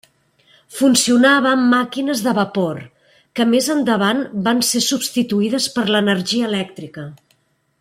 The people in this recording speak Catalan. Funcionava amb màquines de vapor, que més endavant van ser substituïdes per l'energia elèctrica.